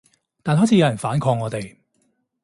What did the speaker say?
但開始有人反抗我哋